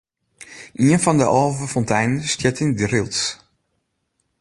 Ien fan de alve fonteinen stiet yn Drylts.